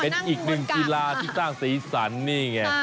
เป็นอีกหนึ่งกีฬาที่สร้างสีสันนี่ไง